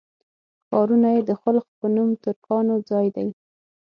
ښارونه یې د خلُخ په نوم ترکانو ځای دی.